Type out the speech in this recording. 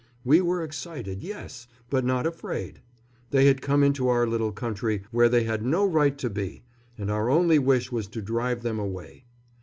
We were excited, yes, but not afraid. They had come into our little country, where they had no right to be, and our only wish was to drive them away.